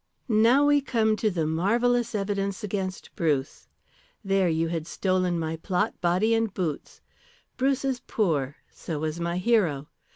"Now we come to the marvellous evidence against Bruce. There you had stolen my plot, body and boots. Bruce is poor, so was my hero.